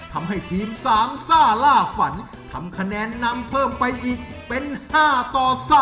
ทำให้ทีม๓ซ่าล่าฝันทำคะแนนนำเพิ่มไปอีกเป็น๕ต่อ๓